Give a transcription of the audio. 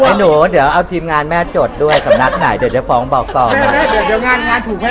อเจมส์แต่หนูเดี๋ยวเอาทีมงานแม่จดด้วยกับนักหน่ายเดี๋ยวเดี๋ยวฟ้องบอกต่อ